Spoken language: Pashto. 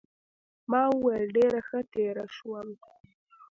ما وویل ډېره ښه تېره شول.